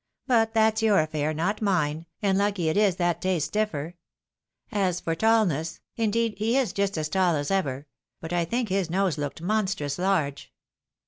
But that's your affair, not mine, and lucky it is that tastes differ. As for taUness, indeed, he is just as tall as ever — ^but I think his nose looked monstrous large."